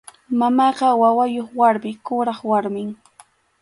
Mamaqa wawayuq warmi, kuraq warmim.